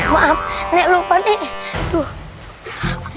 maaf nek lupa nek